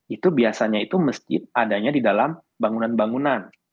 itu biasanya itu masjid adanya di dalam bangunan bangunan